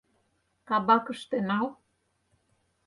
Кабакыште нал...